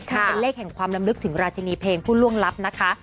เป็นเลขที่เริ่มไปได้ถึงราชินีเพลงผู้ร่วงลับนะคะ